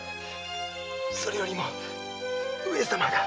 それよりも上様が。